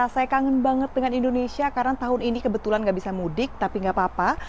saya kangen banget dengan indonesia karena tahun ini kebetulan nggak bisa mudik tapi nggak apa apa